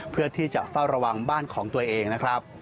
เพื่อที่จะเฝ้าระวังบ้านของตัวเองนะครับ